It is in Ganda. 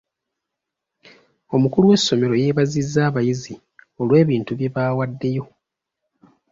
Omukulu w'essomero yeebazizza abayizi olw'ebintu bye baawaddeyo.